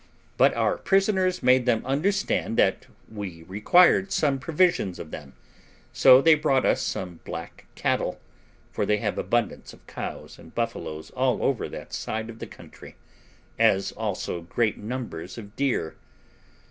But our prisoners made them understand that we required some provisions of them; so they brought us some black cattle, for they have abundance of cows and buffaloes all over that side of the country, as also great numbers of deer.